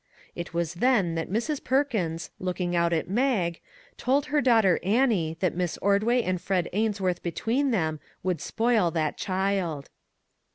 It was then that Mrs. Perkins, looking out at Mag, told her daughter Annie 211 MAG AND MARGARET that Miss Ordway and Fred Ainsworth be tween them would spoil that child.